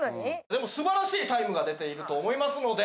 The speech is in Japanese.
でも素晴らしいタイムが出ていると思いますので。